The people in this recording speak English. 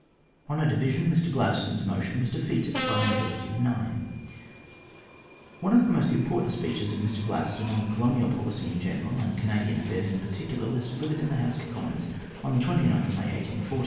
On a division, Mr Gladstone's motion was defeated by a majority of nine. One of the most important speeches of Mr Gladstone on , colonial policy in general, and Canadian affairs in particular, ' was delivered in the House of Commons on May 29, 1840.